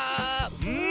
うん。